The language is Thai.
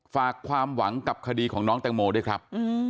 ฝากความหวังกับคดีของน้องแตงโมด้วยครับ